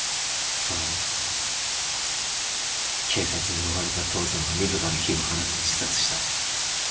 その後警察に追われた父さんは自ら火を放って自殺した。